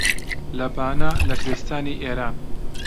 لە بانە لە کوردستانی ئێران